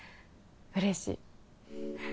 うれしい。